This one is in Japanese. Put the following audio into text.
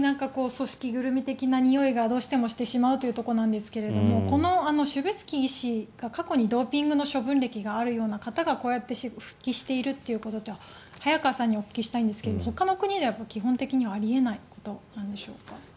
組織ぐるみ的なにおいがどうしてもしてしまうというところですがこのシュベツキー医師過去にドーピングの処分歴があるような方がこうやって復帰しているということで早川さんにお聞きしたいんですがほかの国では基本的にはあり得ないことなんでしょうか？